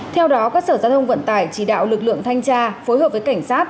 theo đó các sở giao thông vận tải chỉ đạo lực lượng thanh tra phối hợp với cảnh sát